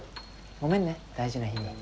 ごめんね大事な日に。